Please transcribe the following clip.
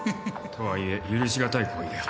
とはいえ許し難い行為だよ。